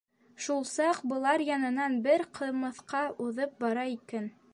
Шул саҡ былар янынан бер Ҡырмыҫҡа уҙып бара икән.